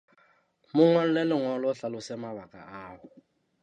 Mo ngolle lengolo o hlalose mabaka ao.